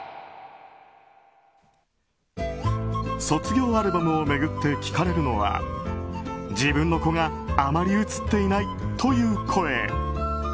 卒業アルバムを巡って聞かれるのは自分の子があまり写っていないという声。